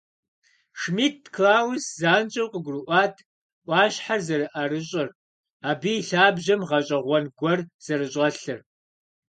Шмидт Клаус занщӀэу къыгурыӀуат Ӏуащхьэр зэрыӀэрыщӀыр, абы и лъабжьэм гъэщӀэгъуэн гуэр зэрыщӀэлъыр.